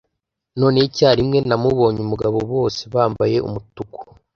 noneho icyarimwe namubonye, umugabo bose bambaye umutuku